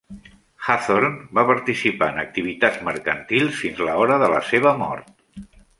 Hathorn va participar en activitats mercantils fins la hora de la seva mort.